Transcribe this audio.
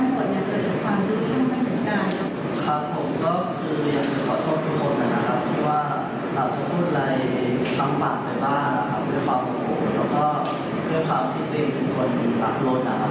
ในการประวัติธิที่ควบเชิญได้ขอบคุณด้วยนะครับ